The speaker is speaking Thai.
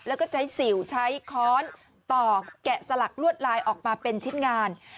แล้วก็ใช้สิวใช้ค้อนต่อแกะสลักลวดลายออกมาเป็นชิ้นงาน